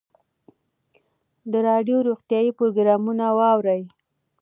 د راډیو روغتیایي پروګرامونه واورئ.